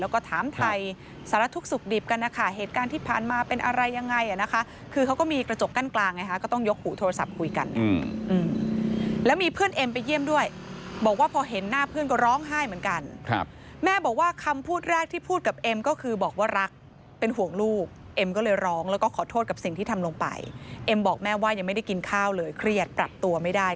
กั้นกลางไงฮะก็ต้องยกหูโทรศัพท์คุยกันอืมอืมแล้วมีเพื่อนเอ็มไปเยี่ยมด้วยบอกว่าพอเห็นหน้าเพื่อนก็ร้องไห้เหมือนกันครับแม่บอกว่าคำพูดแรกที่พูดกับเอ็มก็คือบอกว่ารักเป็นห่วงลูกเอ็มก็เลยร้องแล้วก็ขอโทษกับสิ่งที่ทำลงไปเอ็มบอกแม่ว่ายังไม่ได้กินข้าวเลยเครียดปรับตัวไม่ได